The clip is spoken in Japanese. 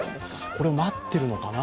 これ、待ってるのかな。